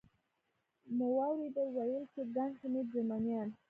مو واورېدل، ویل یې چې ګڼ شمېر جرمنیان.